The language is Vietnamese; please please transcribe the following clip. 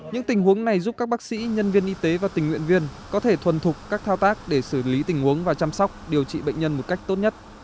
những tình huống này giúp các bác sĩ nhân viên y tế và tình nguyện viên có thể thuần thục các thao tác để xử lý tình huống và chăm sóc điều trị bệnh nhân một cách tốt nhất